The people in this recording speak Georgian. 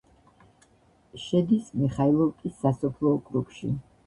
შედის მიხაილოვკის სასოფლო ოკრუგში.